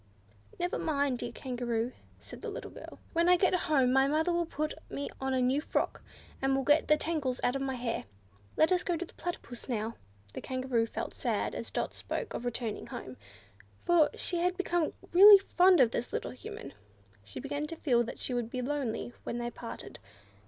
"Never mind, dear Kangaroo," said the little girl; "when I get home mother will put me on a new frock, and will get the tangles out of my hair. Let us go to the Platypus now." The Kangaroo felt sad as Dot spoke of returning home, for she had become really fond of the little Human. She began to feel that she would be lonely when they parted.